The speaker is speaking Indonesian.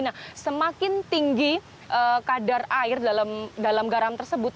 nah semakin tinggi kadar air dalam garam tersebut